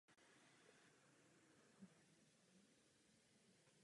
Uvnitř je kaple sklenuta valeně s lunetami.